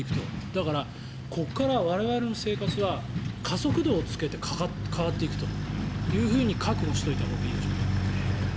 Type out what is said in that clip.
だから、ここから我々の生活は加速度をつけて変わっていくというふうに覚悟しておいたほうがいいでしょうね。